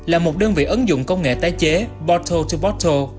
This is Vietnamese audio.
là một đơn vị ấn dụng công nghệ tái chế bottle to bottle